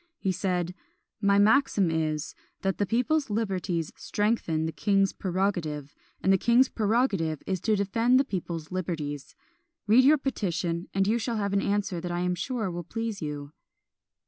He said "My maxim is, that the people's liberties strengthen the king's prerogative; and the king's prerogative is to defend the people's liberties. Read your petition, and you shall have an answer that I am sure will please you."